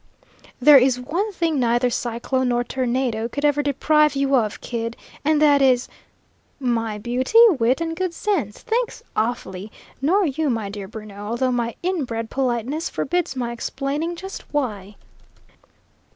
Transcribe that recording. "There is one thing neither cyclone nor tornado could ever deprive you of, Kid, and that is " "My beauty, wit, and good sense, thanks, awfully! Nor you, my dear Bruno, although my inbred politeness forbids my explaining just why."